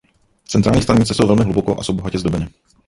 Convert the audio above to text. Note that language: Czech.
Centrální stanice jsou velmi hluboko a jsou bohatě zdobeny.